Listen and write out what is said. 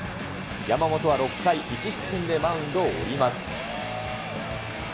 山本は６回１失点でマウンドを降ります。